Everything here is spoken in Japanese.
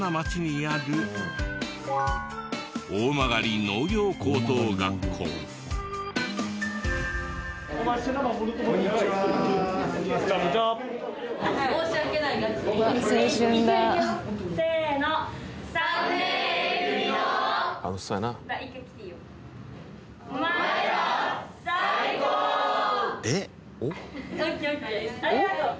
ありがとう。